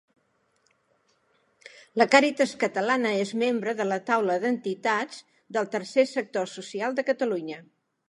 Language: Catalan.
La Càritas catalana és membre de la Taula d'entitats del Tercer Sector Social de Catalunya.